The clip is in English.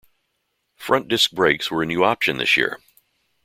Front disc brakes were a new option this year.